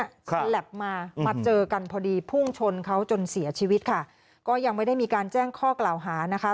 แล็บมามาเจอกันพอดีพุ่งชนเขาจนเสียชีวิตค่ะก็ยังไม่ได้มีการแจ้งข้อกล่าวหานะคะ